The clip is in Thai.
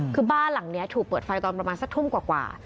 คือบ้านหลังนี้ถูกเปิดไฟตอนประมาณสักทุ่มกว่า